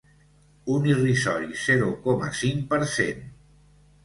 Un irrisori zero coma cinc per cent.